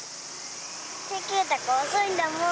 せきゆうたくんおそいんだもん。